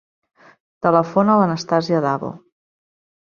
Telefona a l'Anastàsia Davo.